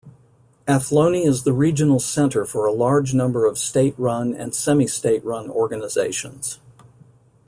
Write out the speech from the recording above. Athlone is the regional centre for a large number of state-run and semi-state-run organisations.